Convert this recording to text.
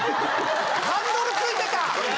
ハンドルついてた！